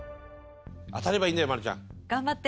当たればいいんだよ丸ちゃん。頑張って。